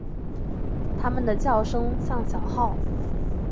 它们的叫声像小号。